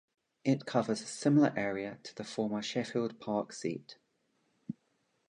It covers a similar area to the former Sheffield Park seat.